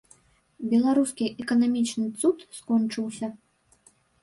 Беларускі эканамічны цуд скончыўся.